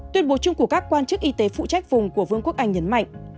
tuyên bố chung của các quan chức y tế phụ trách vùng của vương quốc anh nhấn mạnh